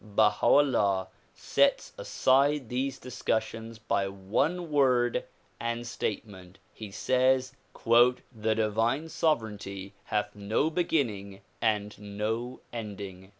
Baha 'Ullah sets aside these discussions by one word and statement. He says "The divine sovereignty hath no beginning and no ending.